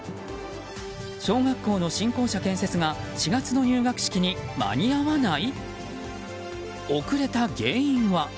小学校の新校舎建設が４月の入学式に間に合わない？